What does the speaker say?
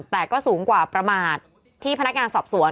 แต่ก็สูงกว่าประมาทที่พนักงานสอบสวน